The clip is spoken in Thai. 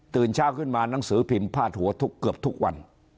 เช้าขึ้นมาหนังสือพิมพ์พาดหัวทุกเกือบทุกวัน